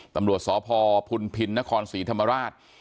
ตำรวจสพพุนพินนครศรีธรรมราช